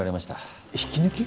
引き抜き？